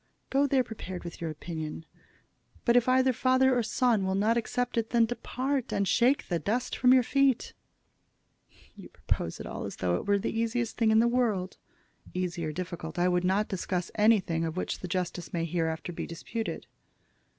Go there prepared with your opinion. But if either father or son will not accept it, then depart, and shake the dust from your feet." "You propose it all as though it were the easiest thing in the world." "Easy or difficult. I would not discuss anything of which the justice may hereafter be disputed."